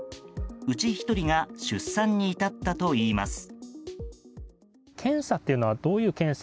うち１人が出産に至ったといいます。